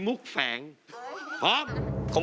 กลับมาเวลาที่